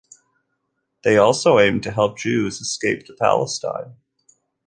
They also aimed to help Jews escape to Palestine.